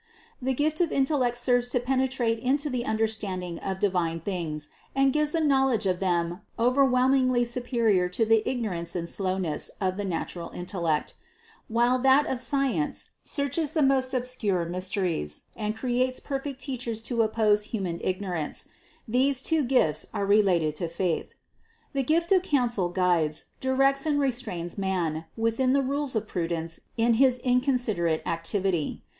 The gift of intellect serves to penetrate into the understanding of divine things and gives a knowledge of them overwhelmingly superior to the ignorance and slowness of the natural intellect ; while that of science searches the most obscure mysteries and creates perfect teachers to oppose human ignorance ; these two gifts are related to faith. The gift of counsel guides, directs and restrains man within the rules of prudence in his inconsiderate activity.